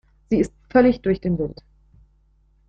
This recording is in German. Sie ist völlig durch den Wind.